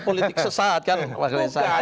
politik sesat kan pak jokowi